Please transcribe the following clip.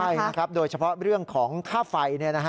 ใช่นะครับโดยเฉพาะเรื่องของค่าไฟ